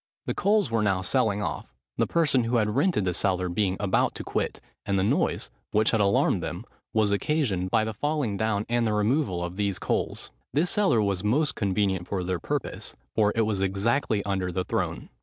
The coals were now selling off, the person who had rented the cellar being about to quit; and the noise, which had alarmed them, was occasioned by the falling down and the removal of these coals. This cellar was most convenient for their purpose: for it was exactly under the throne.